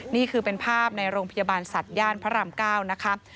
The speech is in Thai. นี่คือเป็นภาพในโรงพยาบาลสัตว์ย่านพระราม๙นะคะ